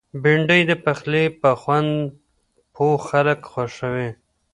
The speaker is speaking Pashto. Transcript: بېنډۍ د پخلي په خوند پوه خلک خوښوي